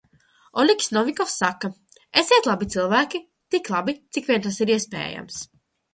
Oļegs Novikovs saka: "Esiet labi cilvēki - tik labi, cik vien tas ir iespējams."